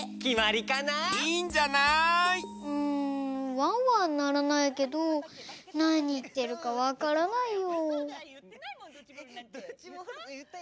わんわんならないけどなにいってるかわからないよ。